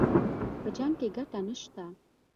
په جـنګ كښې ګټه نشته